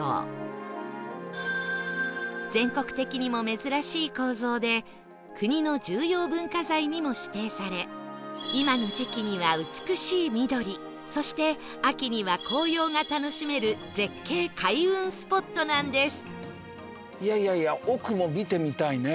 全国的にも珍しい構造で国の重要文化財にも指定され今の時期には美しい緑そして秋には紅葉が楽しめる絶景開運スポットなんです